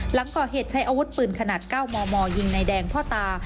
หลังก่อเหตุใช้อาวุธปืนขนาด๙มมยิงในแดงพ่อตา